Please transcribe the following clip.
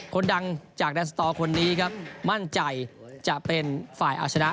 คนดังจากแดนสตอร์คนนี้ครับมั่นใจจะเป็นฝ่ายเอาชนะ